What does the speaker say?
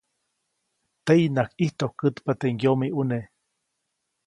Teʼyinaʼajk ʼijtojkätpa teʼ ŋgomiʼuneʼ.